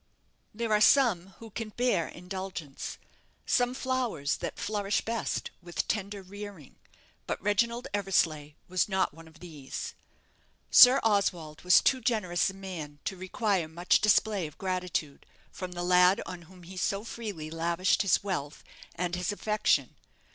There are some who can bear indulgence, some flowers that flourish best with tender rearing; but Reginald Eversleigh was not one of these. Sir Oswald was too generous a man to require much display of gratitude from the lad on whom he so freely lavished his wealth and his affection.